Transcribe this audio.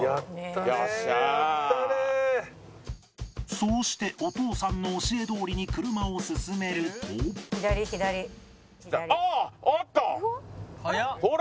そうしてお父さんの教えどおりに車を進めるとほら！